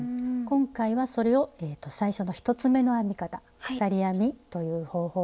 今回はそれを最初の１つ目の編み方鎖編みという方法で作っていきます。